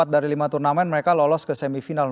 empat dari lima turnamen mereka lolos ke semifinal